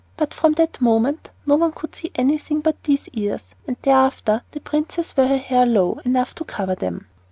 But from that moment no one could see anything but these ears; and thereafter the princess wore her hair low enough to cover them.